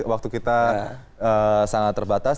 waktu kita sangat terbatas